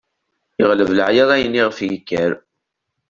Iɣleb leɛyaḍ ayen iɣef yekker.